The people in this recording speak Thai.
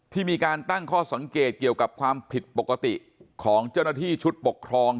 มีการตั้งข้อสังเกตเกี่ยวกับความผิดปกติของเจ้าหน้าที่ชุดปกครอง